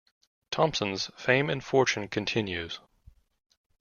Thompson's fame and fortune continues.